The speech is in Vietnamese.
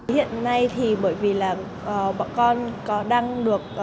hiện nay thì bởi vì là bọn con có đang được